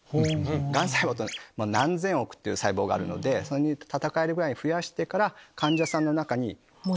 がん細胞って何千億ってあるので戦えるぐらい増やしてから患者さんの中に。